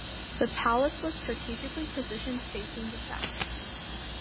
The palace was strategically positioned facing the south.